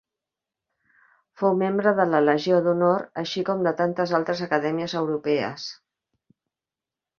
Fou membre de la Legió d'Honor així com de tantes altres acadèmies europees.